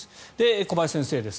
小林先生です。